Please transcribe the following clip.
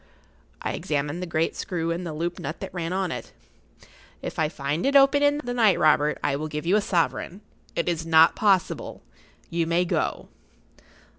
I examined the great screw and the looped nut that ran on it. "If I find it open in the night, Robert, I will give you a sovereign. It is not possible. You may go."